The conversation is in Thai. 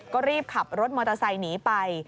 ก็รีบขับรถมอเตอร์ไซค์หนีไป